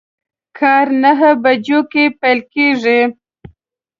کار نهه بجو کی پیل کیږي